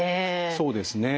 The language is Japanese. そうですね。